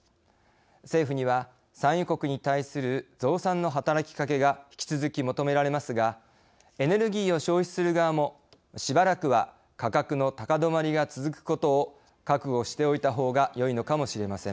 政府には、産油国に対する増産の働きかけが引き続き求められますがエネルギーを消費する側もしばらくは価格の高止まりが続くことを覚悟していたほうがいいのかもしれません。